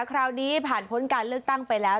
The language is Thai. คราวนี้ผ่านพ้นการเลือกตั้งไปแล้ว